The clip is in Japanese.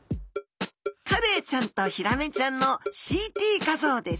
カレイちゃんとヒラメちゃんのＣＴ画像です。